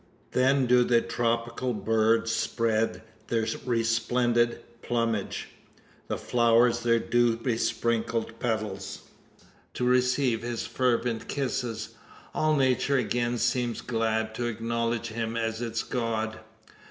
Then do the tropical birds spread their resplendent plumage the flowers their dew besprinkled petals to receive his fervent kisses. All nature again seems glad, to acknowledge him as its god.